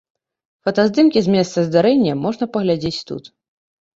Фотаздымкі з месца здарэння можна паглядзець тут.